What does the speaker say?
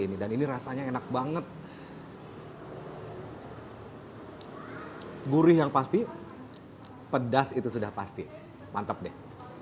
ini dan ini rasanya enak banget gurih yang pasti pedas itu sudah pasti mantep deh